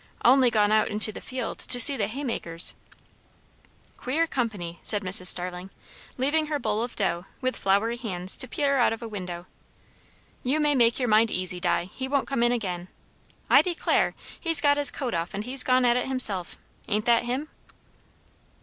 "Only gone out into the field to see the haymakers." "Queer company!" said Mrs. Starling, leaving her bowl of dough, with flowery hands, to peer out of a window. "You may make your mind easy, Di; he won't come in again. I declare! he's got his coat off and he's gone at it himself; ain't that him?"